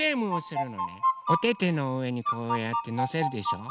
おててのうえにこうやってのせるでしょ。